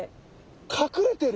隠れてる？